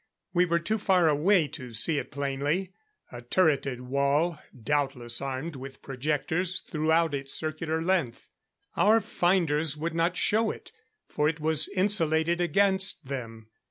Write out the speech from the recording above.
We were too far away to see it plainly a turreted wall doubtless armed with projectors throughout its circular length. Our finders would not show it, for it was insulated against them.